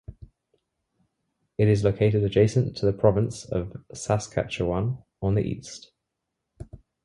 It is located adjacent to the province of Saskatchewan, on the east.